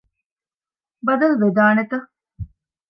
ބަދަލު ވެދާނެތަ؟